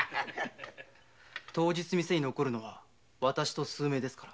当日店に残るのはわたしと数名ですから。